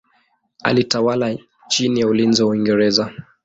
Alitawala chini ya ulinzi wa Uingereza.